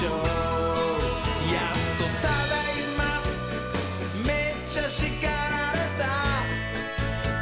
「やっとただいまめっちゃしかられた」